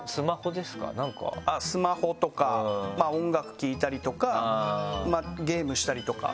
スマホとか音楽聴いたりとかゲームしたりとかですね。